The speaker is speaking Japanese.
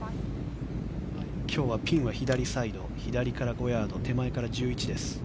今日はピンは左サイド左から５ヤード手前から１１です。